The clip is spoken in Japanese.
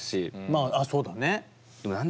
まああっそうだね。